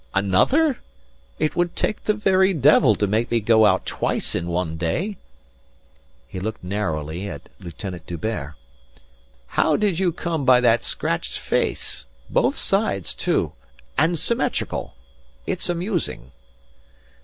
Another? It would take the very devil to make me go out twice in one day." He looked narrowly at Lieutenant D'Hubert. "How did you come by that scratched face? Both sides too and symmetrical. It's amusing."